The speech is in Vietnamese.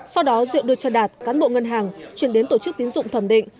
sau đó diệu đưa cho đạt cán bộ ngân hàng chuyển đến tổ chức tín dụng thẩm định